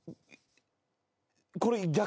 これ逆。